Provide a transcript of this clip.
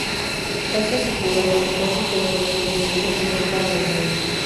A esas alturas, los refuerzos que venían desde Suecia se encontraban en camino.